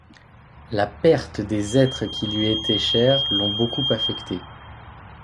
La perte des êtres qui lui étaient chers l'on beaucoup affecté.